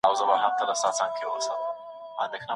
باور کول د انسان د شخصیت ځواکمنوي.